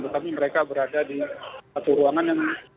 tetapi mereka berada di satu ruangan yang